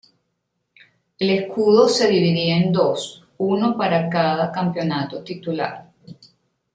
El escudo se dividía en dos, uno para cada campeonato titular.